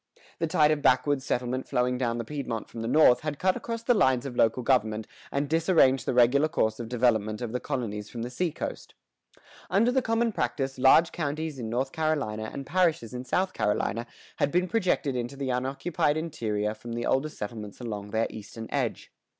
The tide of backwoods settlement flowing down the Piedmont from the north, had cut across the lines of local government and disarranged the regular course of development of the colonies from the seacoast.[116:1] Under the common practice, large counties in North Carolina and parishes in South Carolina had been projected into the unoccupied interior from the older settlements along their eastern edge.